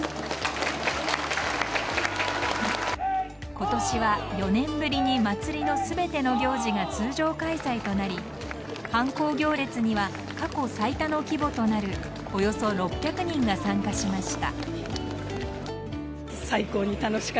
今年は４年ぶりに祭りの全ての行事が通常開催となり藩公行列には過去最多の規模となるおよそ６００人が参加しました。